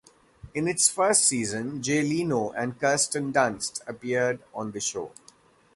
In its first season Jay Leno and Kirsten Dunst appeared on the show.